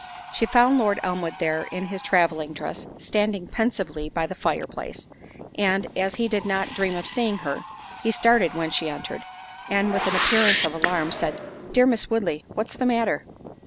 She found Lord Elmwood there in his travelling dress, standing pensively by the fire place—and, as he did not dream of seeing her, he started when she entered, and, with an appearance of alarm, said, "Dear Miss Woodley, what's the matter?"